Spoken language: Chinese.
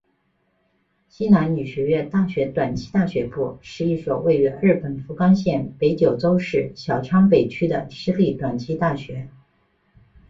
西南女学院大学短期大学部是一所位于日本福冈县北九州市小仓北区的私立短期大学。